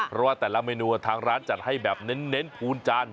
เพราะว่าแต่ละเมนูทางร้านจัดให้แบบเน้นพูนจาน